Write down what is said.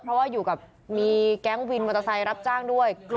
เพราะว่าอยู่กับมีแก๊งวินมอเตอร์ไซค์รับจ้างด้วย